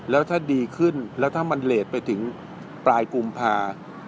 แล้วถ้าดีขึ้นแล้วถ้ามันเลสไปถึงปลายกุมภา